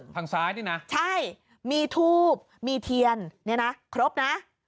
ทางซ้ายนี่นะใช่มีทูบมีเทียนเนี่ยนะครบนะ